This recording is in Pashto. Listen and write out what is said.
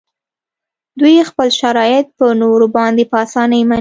دوی خپل شرایط په نورو باندې په اسانۍ مني